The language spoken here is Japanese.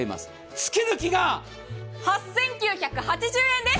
月々が８９８０円です。